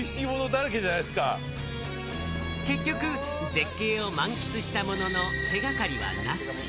結局、絶景を満喫したものの、手掛かりは、なし。